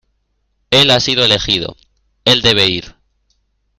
Él ha sido elegido. Él debe ir .